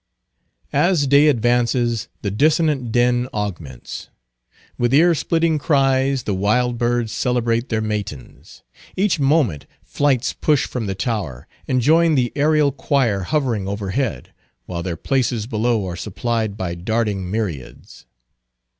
As day advances the dissonant din augments. With ear splitting cries the wild birds celebrate their matins. Each moment, flights push from the tower, and join the aerial choir hovering overhead, while their places below are supplied by darting myriads.